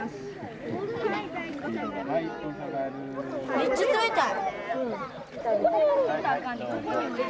めっちゃ冷たい！